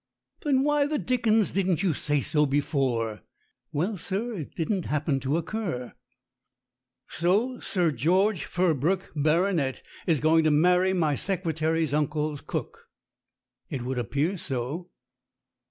"Then why the dickens didn't you say so before?" "Well, sir, it didn't happen to occur." "So Sir George Firbrook, Baronet, is going to marry my secretary's uncle's cook?" "It would appear so."